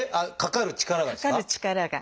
かかる力が。